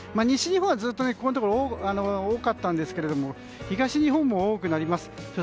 西日本はずっとここのところ多かったんですけれども東日本も多くなります。